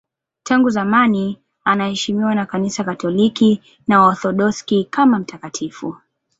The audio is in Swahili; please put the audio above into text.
Tangu zamani anaheshimiwa na Kanisa Katoliki na Waorthodoksi kama mtakatifu.